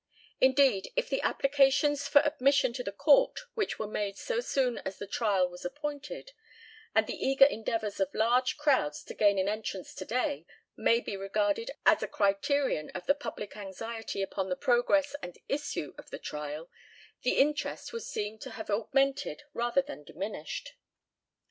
Indeed, if the applications for admission to the court which were made so soon as the trial was appointed, and the eager endeavours of large crowds to gain an entrance to day, may be regarded as a criterion of the public anxiety upon the progress and issue of the trial, the interest would seem to have augmented rather than diminished.